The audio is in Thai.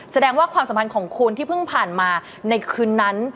แสดงความสัมพันธ์ของคุณที่เพิ่งผ่านมาในคืนนั้น